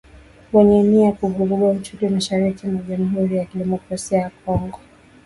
wenye nia ya kuvuruga utulivu mashariki mwa jamuhuri ya kidemokrasia ya Kongo